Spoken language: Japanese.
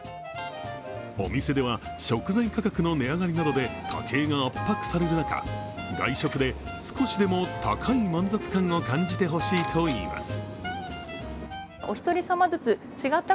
お店では、食材価格の値上がりなどで家計が圧迫される中、外食で少しでも高い満足感を感じてほしいといいます。